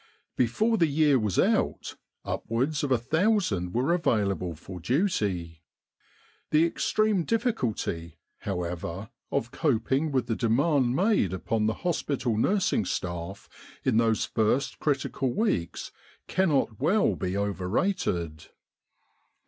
Before the year was out, upwards of a thousand were available for duty. The extreme diffi culty, however, of coping with the demand made upon the hospital nursing staff in those first critical weeks cannot well be overrated.